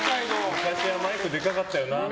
昔はマイクでかかったよなって。